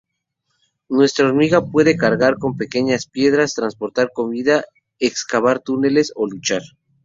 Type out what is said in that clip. Nuestra hormiga puede cargar con pequeñas piedras, transportar comida, excavar túneles o luchar.